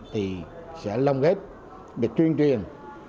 thì sẽ lông ghép bịt truyền truyền